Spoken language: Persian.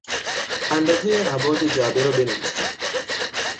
اندازهی ابعاد جعبه را بنویسید.